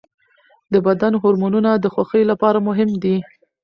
د بدن هورمونونه د خوښۍ لپاره مهم دي.